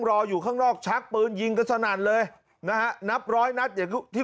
รออยู่ข้างนอกชักปืนยิงกันสนั่นเลยนะฮะนับร้อยนัดอย่างที่